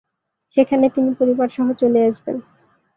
সেখানে তিনি পরিবারসহ চলে আসবেন।